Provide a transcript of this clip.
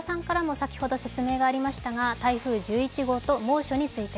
先ほど説明がありましたが台風１１号と猛暑について。